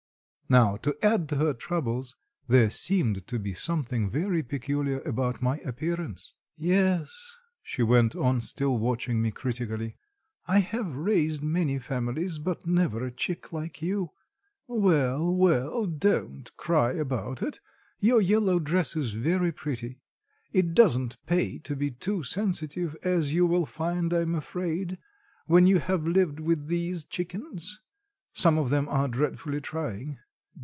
Now, to add to her troubles, there seemed to be something very peculiar about my appearance. "Yes," she went on still watching me critically, "I have raised many families, but never a chick like you. Well! well! don't cry about it. Your yellow dress is very pretty. It doesn't pay to be too sensitive, as you will find, I am afraid, when you have lived with these chickens. Some of them are dreadfully trying.